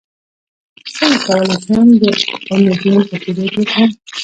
څنګه کولی شم د ایمیزون افیلیټ وکړم